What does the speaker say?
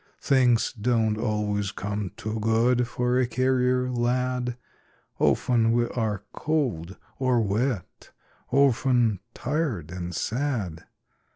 Things don't always come too good For a carrier lad. Often we are cold or wet, Often tired and sad.